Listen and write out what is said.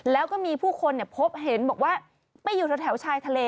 แล้วก็มีผู้คนพบเห็นบอกว่าไปอยู่แถวชายทะเล